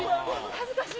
恥ずかしい。